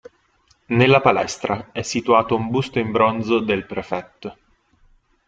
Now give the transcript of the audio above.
Nella palestra è situato un busto in bronzo del prefetto.